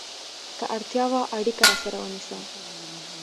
که اړتیا وه، اړیکه راسره ونیسه!